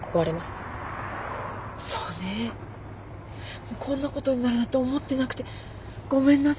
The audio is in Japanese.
そうね。こんなことになるなんて思ってなくてごめんなさい。